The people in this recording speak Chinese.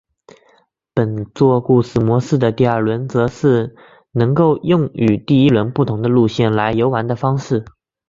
本作故事模式的第二轮则是能够用与第一轮不同的路线来游玩的方式。